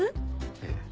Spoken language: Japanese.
ええ。